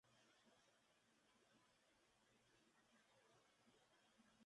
Actualmente el Palacio de Peñaflor ha sido restaurado.